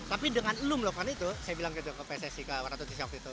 tapi dengan lu melakukan itu saya bilang gitu ke pssi ke waratusi waktu itu